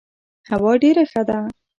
هوا ډيره ښه ده.